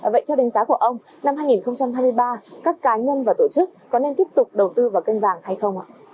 vậy theo đánh giá của ông năm hai nghìn hai mươi ba các cá nhân và tổ chức có nên tiếp tục đầu tư vào kênh vàng hay không ạ